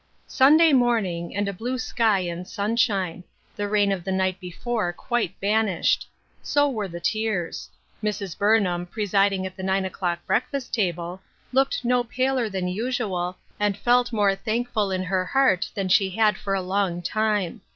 SUNDAY morning, and a blue sky and sun shine ; the rain of the night before quite banished. So were the tears. Mrs. Burnham, presiding at the nine o'clock breakfast table, looked no paler than usual, and felt more thankful in her heart than she had for a long time.